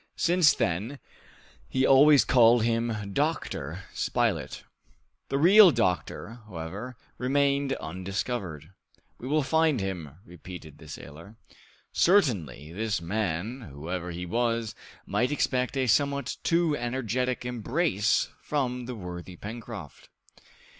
Since then, he always called him Dr. Spilett. The real doctor, however, remained undiscovered. "We will find him!" repeated the sailor. Certainly, this man, whoever he was, might expect a somewhat too energetic embrace from the worthy Pencroft!